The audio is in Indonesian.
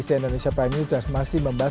si indonesia prime news masih membahas